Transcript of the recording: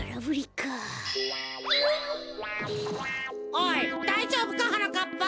おいだいじょうぶかはなかっぱ。